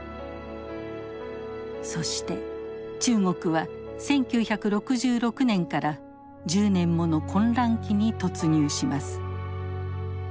そして中国は１９６６年から１０年もの混乱期に突入します。